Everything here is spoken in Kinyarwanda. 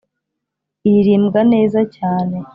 iririmbwa neza cyane.